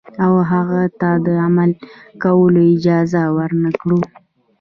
او هغه ته د عمل کولو اجازه ورنکړو.